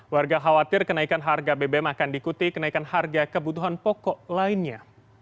warga khawatir kenaikan harga bbm akan diikuti kenaikan harga kebutuhan pokok lainnya